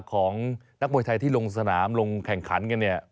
ของนักมวยไทยที่ลงสนามลงแข่งขันกันเนี่ย